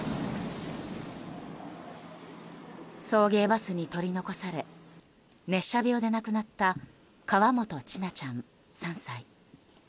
送迎バスに取り残され熱射病で亡くなった河本千奈ちゃん、３歳。